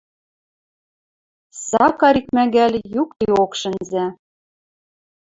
Сакар икмӓгӓл юкдеок шӹнзӓ.